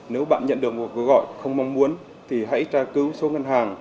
nếu bạn nhận được một gọi không mong muốn thì hãy tra cứu số ngân hàng